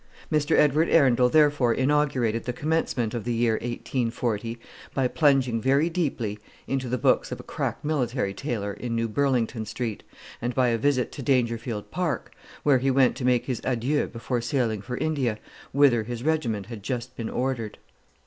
Mr. Edward Arundel therefore inaugurated the commencement of the year 1840 by plunging very deeply into the books of a crack military tailor in New Burlington Street, and by a visit to Dangerfield Park; where he went to make his adieux before sailing for India, whither his regiment had just been ordered.